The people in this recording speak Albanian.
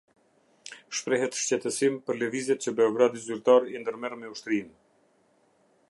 Shprehet shqetësim për lëvizjet që Beogradi zyrtar i ndërmerr me ushtrinë.